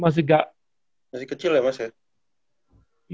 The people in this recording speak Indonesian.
masih kecil ya mas ya